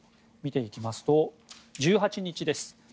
見ていきますと、１８日です。